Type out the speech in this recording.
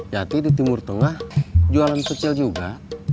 jati di timur tengah jualan kecil juga